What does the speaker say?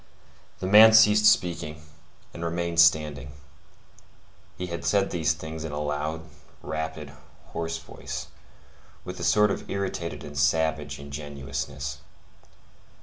The man ceased speaking, and remained standing. He had said these things in a loud, rapid, hoarse voice, with a sort of irritated and savage ingenuousness.